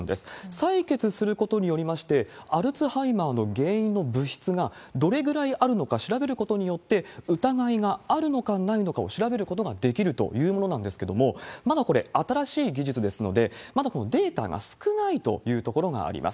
採血することによりまして、アルツハイマーの原因の物質がどれぐらいあるのか調べることによって、疑いがあるのかないのかを調べることができるというものなんですけれども、まだこれ、新しい技術ですので、まだこのデータが少ないというところがあります。